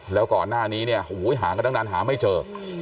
แล้วก่อนหน้านี้เนี่ยหูยหาก็ตั้งนานหาไม่เจอนี่